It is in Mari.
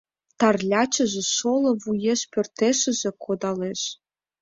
Тарлячыже шоло вуеш Пӧртешыже — кодалеш